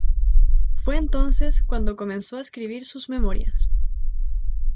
Fue entonces cuando comenzó a escribir sus memorias.